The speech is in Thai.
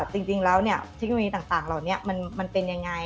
จริงแล้วเทคโนโลยีต่างเหล่านี้มันเป็นยังไง